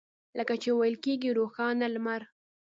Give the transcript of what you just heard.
لکه چې ویل کېږي روښانه لمر.